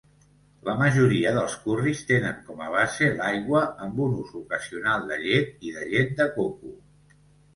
La majoria dels curris tenen com a base l'aigua, amb un ús ocasional de llet i de llet de coco.